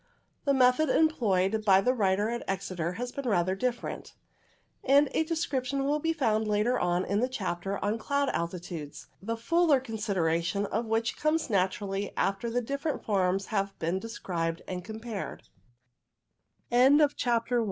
The method employed by the writer at Exeter has been rather different, and a description will be found later on in the chapter on Cloud Altitudes, the fuller consideration of which comes naturally after the different forms have been described and com